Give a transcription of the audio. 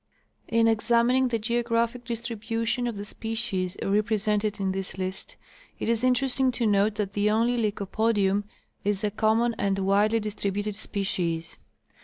In examining the geographic distribution of the species represented in this list it is interesting to note that the only Lycopodium is a common and widely distributed species.